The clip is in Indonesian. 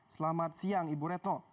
selamat siang ibu retno